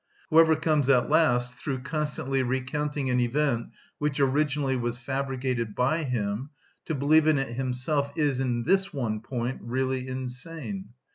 Whoever comes at last, through constantly recounting an event which originally was fabricated by him, to believe in it himself is, in this one point, really insane.